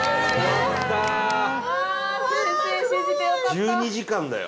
１２時間だよ。